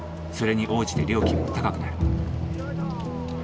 それに応じて料金も高くなる。